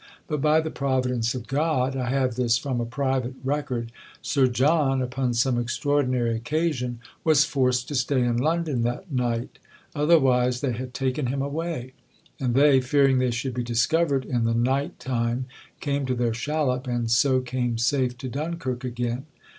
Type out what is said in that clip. But by the providence of God I have this from a private record Sir John, upon some extraordinary occasion, was forced to stay in London that night; otherwise they had taken him away; and they, fearing they should be discovered, in the night time came to their shallop, and so came safe to Dunkirk again.